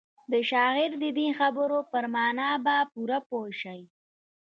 د شاعر د دې خبرو پر مانا به پوره پوه شئ.